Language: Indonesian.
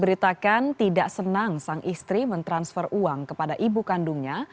beritakan tidak senang sang istri mentransfer uang kepada ibu kandungnya